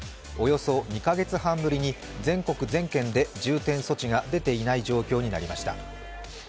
およそ２カ月半ぶりに全国全県で重点措置が出ていない状況になりました。